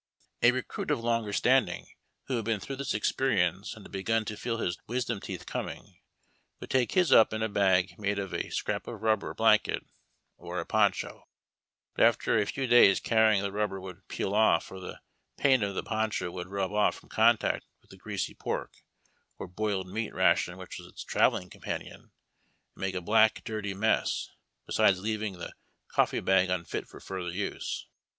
1 24: BAUD TACK AND COFFEE. A i ecruit of lunger standing, who hud been through this experience and had begun to feel his wisdoni teetli coming, would take his up in a bag made of a scrap of rubber blanket or a poncho ; but after a few days carrying the rub ber would peel off or the paint of the po7icho would rub off from contact with the greasy pork or boiled meat ration which was its travelling companion, and make a l)lack, dirty mess, besides leaving the coffee bag unfit for further use.